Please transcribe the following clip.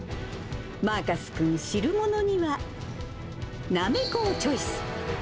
マーカス君、汁物にはなめこをチョイス。